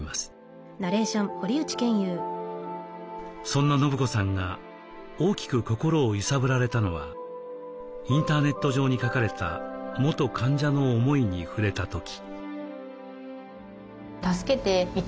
そんな伸子さんが大きく心を揺さぶられたのはインターネット上に書かれた元患者の思いに触れた時。